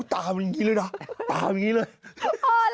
ตามอย่างนี้เลยนะตามอย่างนี้เลย